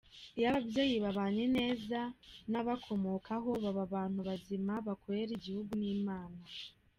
Iyo ababyeyi babanye neza, n’ababakomokaho baba abantu bazima bakorera igihugu n’Imana”.